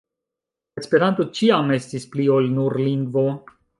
Esperanto ĉiam estis pli ol nur lingvo.